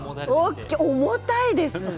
重たいです。